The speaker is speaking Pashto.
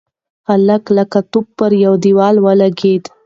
هلک لکه توپ پر دېوال ولگېد.